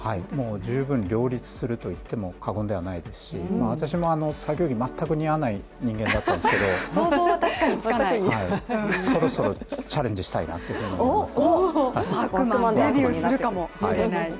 十分両立すると言っても過言ではないですし私も作業着全く似合わない人間だったんですけど、そろそろチャレンジしたいなと思いますね。